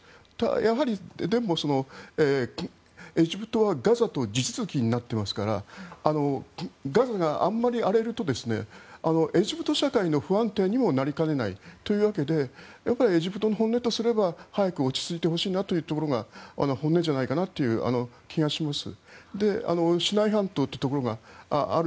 やはり、エジプトはガザと地続きになっていますからガザがあまり荒れるとエジプト社会の不安定にもなりかねないというわけでエジプトの本音としては早く落ち着いてほしいなというところが本音じゃないかなという気がします。